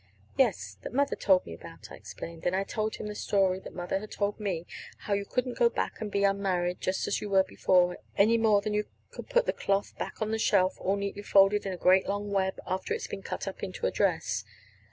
"Yes, that Mother told me about," I explained. Then I told him the story that Mother had told me how you couldn't go back and be unmarried, just as you were before, any more than you could put the cloth back on the shelf, all neatly folded in a great long web after it had been cut up into a dress.